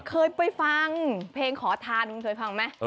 เคยไปฟังเพลงขอทานลุงเคยฟังไหม